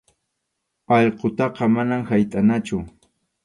Allqutaqa manam haytʼanachu.